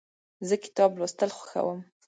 زه کتاب لوستل خوښوم.